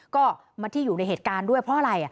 ก็มันที่อยู่ในเหตุการณ์ด้วยเพราะอะไร